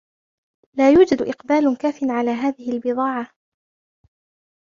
لا يوجد إقبال كافٍ على هذه البضاعة.